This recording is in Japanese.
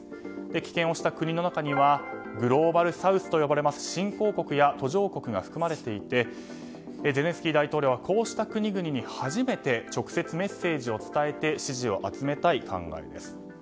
棄権をした国の中にはグローバルサウスと呼ばれます新興国や途上国が含まれていてゼレンスキー大統領はこうした国々に初めて直接メッセージを伝えて支持を集めたい考えです。